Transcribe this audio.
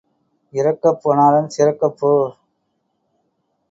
இரக்கப் போனாலும் சிறக்கப் போ.